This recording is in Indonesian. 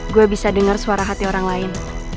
gue bisa dengar suara hati orang lain